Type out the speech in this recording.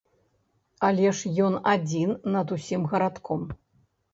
Але ж ён адзін над усім гарадком.